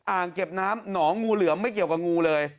อ่างเก็บน้ำหนองงูเหลือมไม่เกี่ยวกับงูเลย